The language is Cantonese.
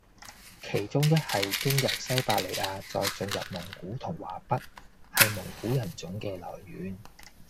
其中一系經由西伯利亞再進入蒙古同華北，係蒙古人種嘅來源